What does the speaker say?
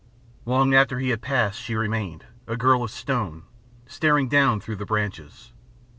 Long after he had passed she remained, a girl of stone, staring down through the branches.